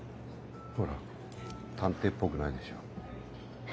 ほら探偵っぽくないでしょ？